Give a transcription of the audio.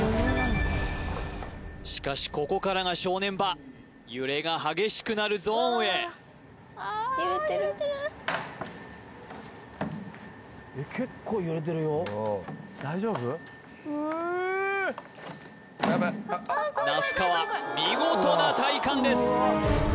しかしここからが正念場揺れが激しくなるゾーンへ那須川見事な体幹です